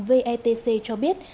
vetc cho biết